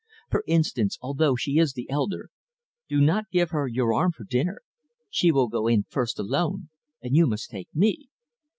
For instance, although she is the elder, do not give her your arm for dinner. She will go in first alone, and you must take me."